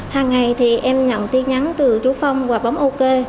hàng ngày thì em nhận tin nhắn từ chú phong và bóng ok